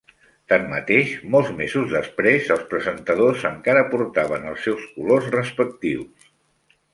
Tanmateix, molts mesos després els presentadors encara portaven els seus colors respectius.